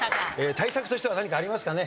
対策としては何かありますかね？